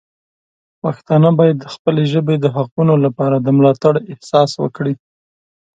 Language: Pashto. پښتانه باید د خپلې ژبې د حقونو لپاره د ملاتړ احساس وکړي.